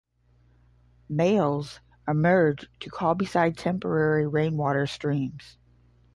Males emerge to call beside temporary rainwater streams.